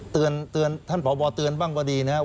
เตือนท่านพบเตือนบ้างก็ดีนะครับ